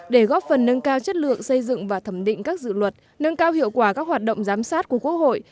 để góp phần nâng cao chất lượng xây dựng và thẩm định các dự luật nâng cao hiệu quả các hoạt động giám sát của quốc hội